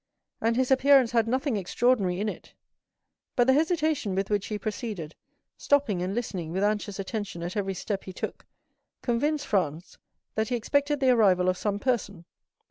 And his appearance had nothing extraordinary in it; but the hesitation with which he proceeded, stopping and listening with anxious attention at every step he took, convinced Franz that he expected the arrival of some person.